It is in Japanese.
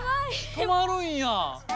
止まるんや。